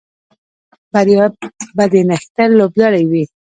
بریا به د نښتر لوبډلې وي